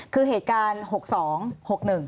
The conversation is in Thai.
คือเหตุการณ์๖๒๖๑